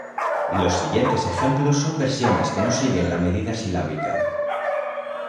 Los siguientes ejemplos son versiones que no siguen la medida silábica.